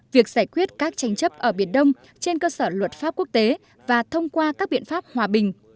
việc giải quyết các tranh chấp ở biển đông trên cơ sở luật pháp quốc tế và thông qua các biện pháp hòa bình